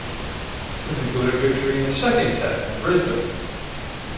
This included victory in the Second Test in Brisbane.